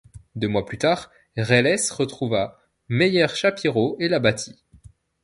Deux mois plus tard Reles retrouva Meyer Shapiro et l'abattit.